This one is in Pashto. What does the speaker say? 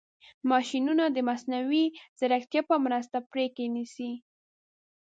ماشینونه د مصنوعي ځیرکتیا په مرسته پرېکړې نیسي.